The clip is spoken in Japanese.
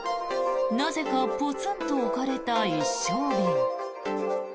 なぜかポツンと置かれた一升瓶。